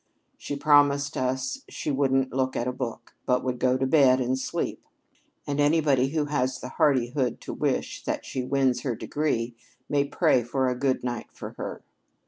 She promised us she wouldn't look at a book, but would go to bed and sleep, and anybody who has the hardihood to wish that she wins her degree may pray for a good night for her."